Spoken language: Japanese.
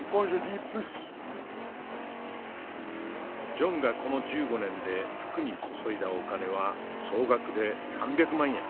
ジョンがこの１５年で服に注いだお金は総額で３００万円。